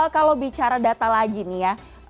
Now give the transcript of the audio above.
kalau bicara data lagi nih ya